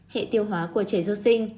hệ tiêu hóa của trẻ sơ sinh